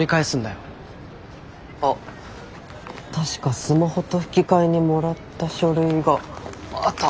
あっ確かスマホと引き換えにもらった書類があった。